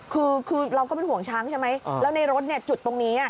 คือคือเราก็เป็นห่วงช้างใช่ไหมแล้วในรถเนี่ยจุดตรงนี้